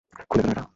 খুলে ফেলুন এটা!